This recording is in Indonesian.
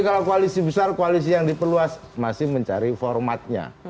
kalau koalisi besar koalisi yang diperluas masih mencari formatnya